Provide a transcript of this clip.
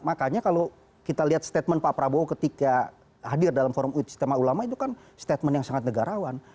makanya kalau kita lihat statement pak prabowo ketika hadir dalam forum istimewa ulama itu kan statement yang sangat negarawan